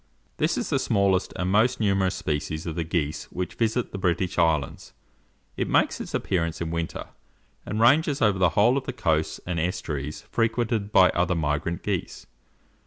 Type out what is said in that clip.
This is the smallest and most numerous species of the geese which visit the British islands. It makes its appearance in winter, and ranges over the whole of the coasts and estuaries frequented by other migrant geese.